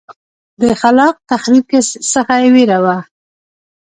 د خلاق تخریب څخه وېره وه.